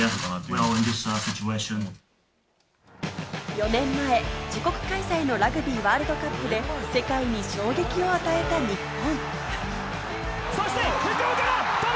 ４年前、自国開催のラグビーワールドカップで、世界に衝撃を与えた日本。